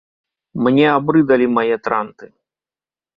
Мне абрыдалі мае транты.